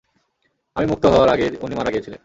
আমি মুক্ত হওয়ার আগেই উনি মারা গিয়েছিলেন।